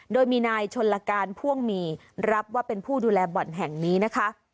โดยมีนายชนลการพ่วงมีรับว่าเป็นผู้ดูแลบ่อนแห่งนี้นะคะ